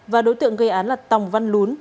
và đối tượng gây án là tòng văn lún